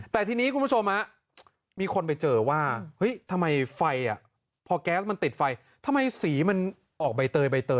แต่ทีนี้คุณผู้ชมมีคนไปเจอว่าเฮ้ยทำไมไฟพอแก๊สมันติดไฟทำไมสีมันออกใบเตยใบเตย